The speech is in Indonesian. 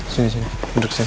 sini sini duduk sini